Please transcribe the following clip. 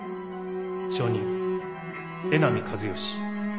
証人江波和義。